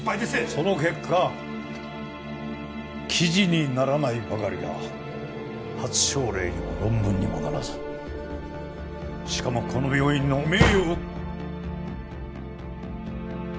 その結果記事にならないばかりか初症例にも論文にもならずしかもこの病院の名誉を汚したのです。